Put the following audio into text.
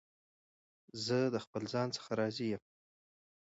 زه د خپل ځان څخه راضي یم.